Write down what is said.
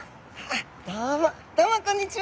どうもどうもこんにちは！